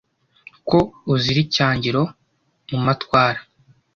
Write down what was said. ko uzira icyangiro mu matwara,